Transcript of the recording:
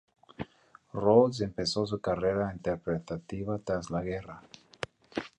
Rhodes empezó su carrera interpretativa tras la guerra.